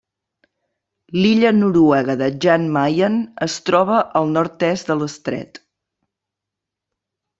L'illa noruega de Jan Mayen es troba al nord-est de l'estret.